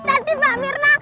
tadi mbak mirna